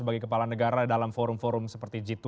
sebagai kepala negara dalam forum forum seperti g dua puluh